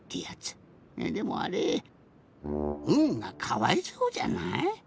でもあれ「ん」がかわいそうじゃない？